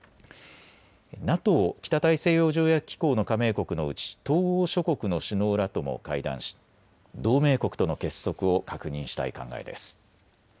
ＮＡＴＯ・北大西洋条約機構の加盟国のうち、東欧諸国の首脳らとも会談し同盟国との結束を確認したい考えです。